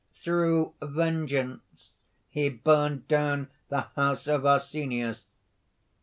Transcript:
"Through vengeance he burned down the house of Arsenius."